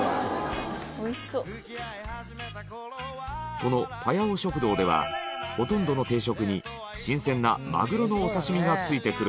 このパヤオ食堂ではほとんどの定食に新鮮なマグロのお刺身が付いてくるんです。